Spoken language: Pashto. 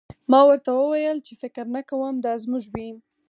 ما ورته وویل چې فکر نه کوم دا زموږ وي